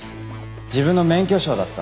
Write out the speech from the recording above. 自分の免許証だった。